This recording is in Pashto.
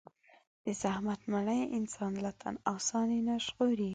د زحمت مړۍ انسان له تن آساني نه ژغوري.